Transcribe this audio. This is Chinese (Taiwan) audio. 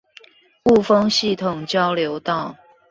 霧峰系統交流道